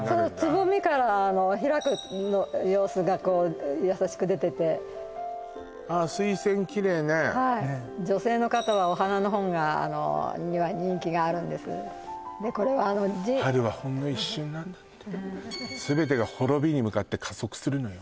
つぼみから開く様子がこう優しく出ててはい女性の方はお花の本がには人気があるんですこれは春はほんの一瞬なんだってすべてが滅びに向かって加速するのよ